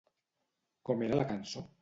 Com era la cançó?